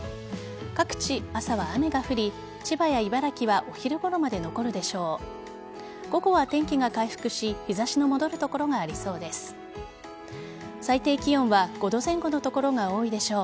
各地、朝は雨が降り千葉や茨城はお昼ごろまで残るでしょう。